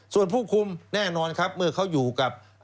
ส่วนผู้คุมแน่นอนครับเมื่อเขาอยู่กับ